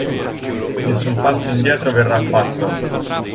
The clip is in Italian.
Nessun passo indietro verrà fatto.